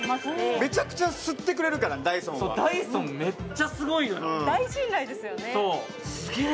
めちゃくちゃ吸ってくれるからダイソンはダイソンめっちゃすごいよ大信頼ですよねすげえ！